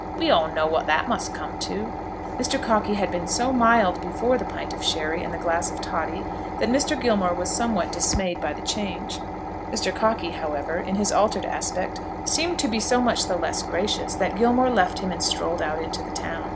We all know what that must come to." Mr. Cockey had been so mild before the pint of sherry and the glass of toddy, that Mr. Gilmore was somewhat dismayed by the change. Mr. Cockey, however, in his altered aspect seemed to be so much the less gracious, that Gilmore left him and strolled out into the town.